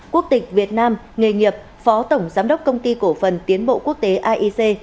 quốc tịch việt nam nghề nghiệp phó tổng giám đốc công ty cổ phần tiến bộ quốc tế aic